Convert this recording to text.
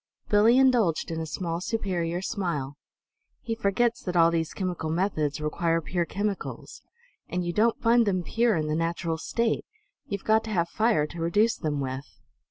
Billie indulged in a small, superior smile. "He forgets that all these chemical methods require pure chemicals. And you don't find them pure in the natural state. You've got to have fire to reduce them with."